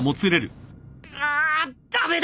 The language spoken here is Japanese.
あああ駄目だ。